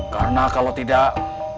karena kalau tidak